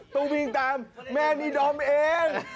ต้องวิ่งตามแม่นี่ดอมเอง